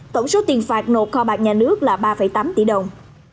tổng số tiền phạt nộp kho bạc nhà nước là ba tám tỷ đồng